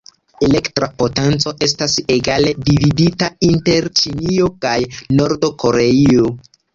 Elektra potenco estas egale dividita inter Ĉinio kaj Nord-Koreio.